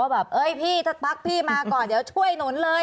แบบเอ้ยพี่ถ้าพักพี่มาก่อนเดี๋ยวช่วยหนุนเลย